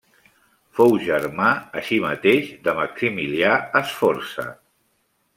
Fou germà, així mateix, de Maximilià Sforza.